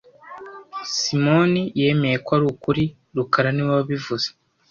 Simoni yemeye ko ari ukuri rukara niwe wabivuze